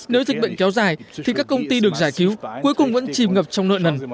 nếu dịch bệnh kéo dài thì các công ty được giải cứu cuối cùng vẫn chìm ngập trong nợ nần